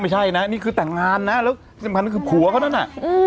ไม่ใช่นะนี่คือแต่งงานนะแล้วที่สำคัญคือผัวเขานั่นน่ะ